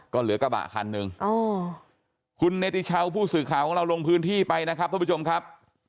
ก็เหลือกระบะคันหนึ่งคุณเนติชาวผู้สื่อข่าวของเราลงพื้นที่ไปนะครับท่านผู้ชมครับ